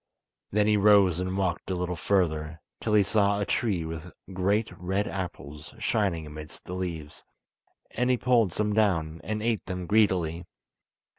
Then he rose and walked a little further, till he saw a tree with great red apples shining amidst the leaves, and he pulled some down, and ate them greedily.